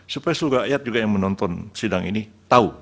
supaya rakyat juga yang menonton sidang ini tahu